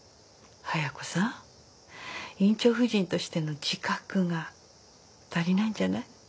亜矢子さん院長夫人としての自覚が足りないんじゃない？